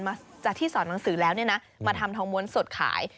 มาจากที่สรรบังสือแล้วมาทำทองม้วนสดขาย